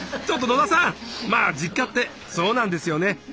ちょっと野田さんまあ実家ってそうなんですよね。